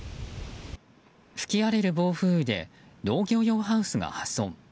吹き荒れる暴風雨で農業用ハウスが破損。